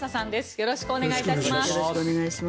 よろしくお願いします。